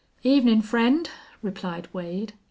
"Evenin', friend," replied Wade.